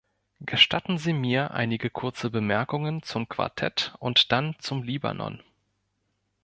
Gestatten Sie mir einige kurze Bemerkungen zum Quartett und dann zum Libanon.